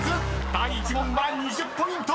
第１問は２０ポイント！］